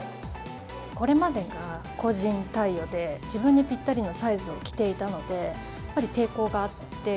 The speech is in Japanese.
これまでが個人貸与で、自分にぴったりのサイズを着ていたので、やっぱり抵抗があって。